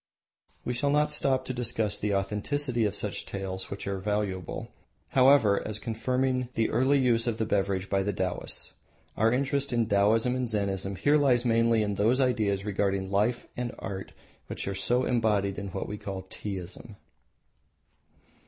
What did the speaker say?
We shall not stop to discuss the authenticity of such tales, which are valuable, however, as confirming the early use of the beverage by the Taoists. Our interest in Taoism and Zennism here lies mainly in those ideas regarding life and art which are so embodied in what we call Teaism.